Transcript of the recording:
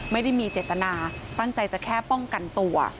ไม่ได้มีเจตนาตั้งใจจะแค่ป้องกันตัว